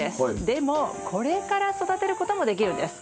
でもこれから育てることもできるんです。